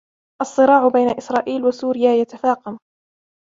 الصراع بين إسرائيل وسوريا يتفاقم